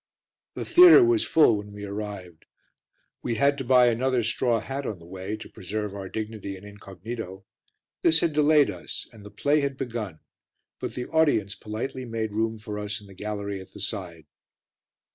The theatre was already full when we arrived. We had had to buy another straw hat on the way, to preserve our dignity and incognito; this had delayed us, and the play had begun, but the audience politely made room for us in the gallery at the side.